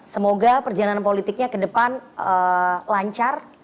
semoga perjalanan politiknya kedepan lancar